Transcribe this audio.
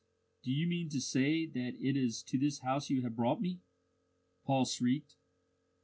do you mean to say that it is to this house you have brought me?" Paul shrieked.